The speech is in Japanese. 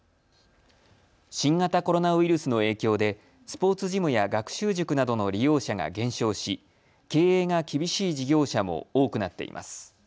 新型コロナウイルスの影響でスポーツジムや学習塾などの利用者が減少し経営が厳しい事業者も多くなっています。